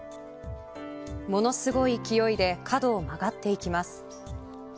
ものすごい勢いで角を曲がっていきます。